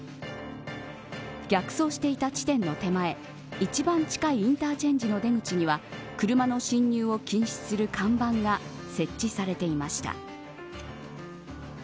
逆走していた地点の手前一番近いインターチェンジの出口には車の進入を禁止する看板が設置されていました。